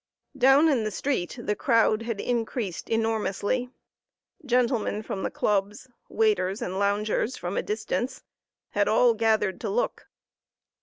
Down in the street the crowd had increased enormously; gentlemen from the clubs, waiters and loungers from a distance had all gathered to look.